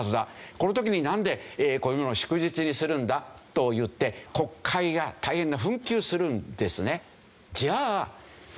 この時になんでこういうのを祝日にするんだといって国会が大変な紛糾するんですね。